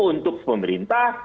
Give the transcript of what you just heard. itu untuk pemerintah